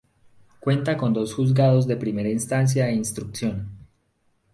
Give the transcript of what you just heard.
Cuenta con dos juzgados de Primera Instancia e Instrucción.